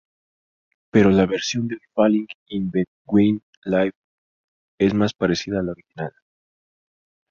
Pero la versión del Falling In Between Live es más parecida a la original.